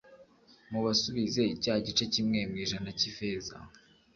mubasubize cya gice kimwe mu ijana cyifeza .